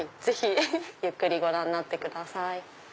ぜひ。ゆっくりご覧になってください。